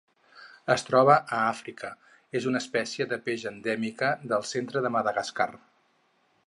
Es troba a Àfrica: és una espècie de peix endèmica del centre de Madagascar.